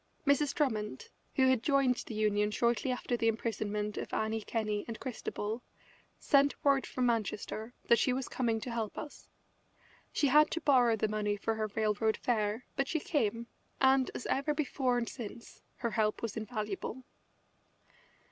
Mrs. Drummond, who had joined the Union shortly after the imprisonment of Annie Kenney and Christabel, sent word from Manchester that she was coming to help us. She had to borrow the money for her railroad fare, but she came, and, as ever before and since, her help was invaluable.